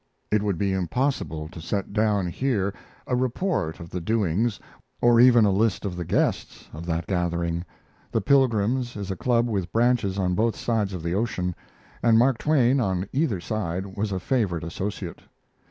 It would be impossible to set down here a report of the doings, or even a list of the guests, of that gathering. The Pilgrims is a club with branches on both sides of the ocean, and Mark Twain, on either side, was a favorite associate.